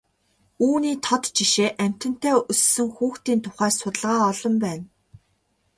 Үүний тод жишээ амьтантай өссөн хүүхдийн тухай судалгаа олон байна.